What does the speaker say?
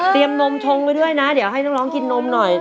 เตรียมนมชงไว้ด้วยนะเดี๋ยวให้นักร้องกินนมหน่อย